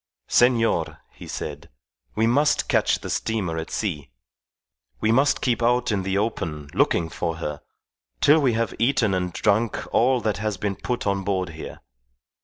"Senor," he said, "we must catch the steamer at sea. We must keep out in the open looking for her till we have eaten and drunk all that has been put on board here.